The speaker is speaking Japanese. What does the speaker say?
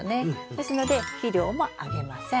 ですので肥料もあげません。